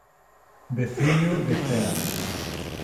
Veciño de Cea.